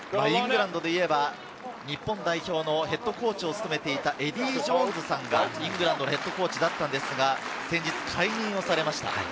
イングランドで言えば、日本代表のヘッドコーチを務めていたエディー・ジョーンズさんがイングランドＨＣだったんですが、先日解任されました。